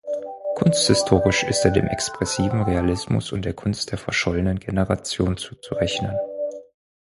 Kunsthistorisch ist er dem expressiven Realismus und der Kunst der Verschollenen Generation zuzurechnen.